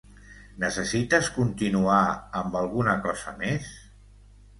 Necessites continuar amb alguna cosa més?